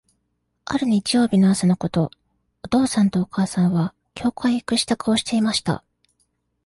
ある日曜日の朝のこと、お父さんとお母さんは、教会へ行く支度をしていました。